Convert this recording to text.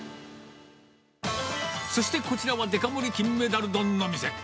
そして、こちらはデカ盛り、金メダル丼の店。